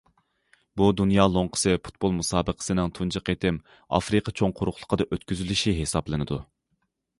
بۇ دۇنيا لوڭقىسى پۇتبول مۇسابىقىسىنىڭ تۇنجى قېتىم ئافرىقا چوڭ قۇرۇقلۇقىدا ئۆتكۈزۈلۈشى ھېسابلىنىدۇ.